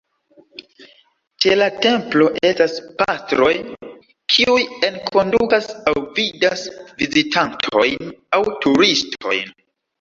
Ĉe la templo estas pastroj, kiuj enkondukas aŭ gvidas vizitantojn aŭ turistojn.